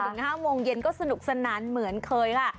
๕โมงเย็นก็สนุกสนานเหมือนเคยค่ะ